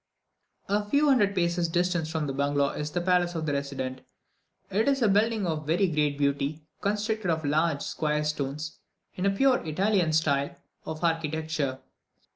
A few hundred paces distant from the bungalow is the palace of the resident; it is a building of very great beauty, constructed of large, square stones, in a pure Italian style of architecture.